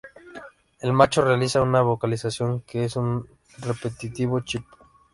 El macho realiza una vocalización, que es un repetitivo "chip".